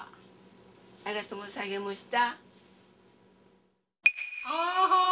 ・あいがともさげもした。